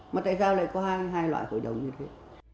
mà tại sao lại có hai loại hội đồng như thế